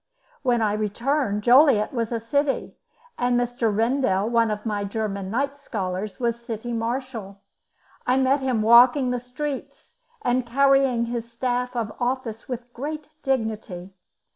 When I returned, Joliet was a city, and Mr. Rendel, one of my German night scholars, was city marshal. I met him walking the streets, and carrying his staff of office with great dignity.